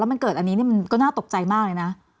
มันเกิดอันนี้มันก็น่าตกใจมากเลยนะ